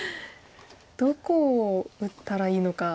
どこを打ったらいいのか。